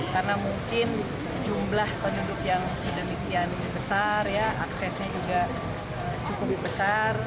karena mungkin jumlah penduduk yang sedemikian besar aksesnya juga cukup besar